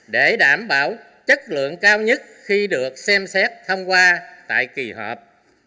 để đảm bảo chất lượng cao nhất khi được xem xét thông qua tại kỳ họp